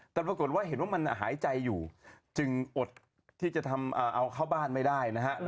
แต่ปรากฏหายใจอยู่จึงอดที่จะทำเอาเข้าบ้านไม่ได้นะครับ